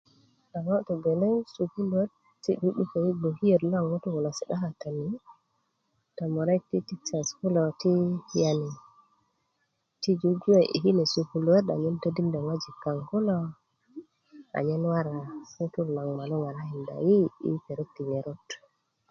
a ŋo togeleŋ ti sukuluöt ti 'du'duko i gbokiyöt loŋ ŋutu kulo si'da katani lo tomurek ti tisas kulo yani ti jujuwe i kune sukuluöt anyen todindö ŋojik kaŋ kulo anyen wora ŋutu loŋarakinda yi i perok ti ŋerot